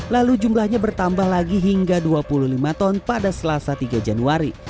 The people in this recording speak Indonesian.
lalu jumlahnya bertambah lagi hingga dua puluh lima ton pada selasa tiga januari